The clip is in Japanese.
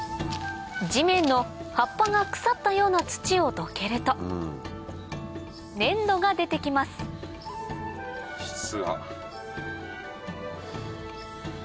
地面の葉っぱが腐ったような土をどけると粘土が出て来ます質は。